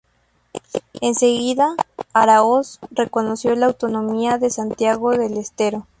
Enseguida, Aráoz reconoció la autonomía de Santiago del Estero.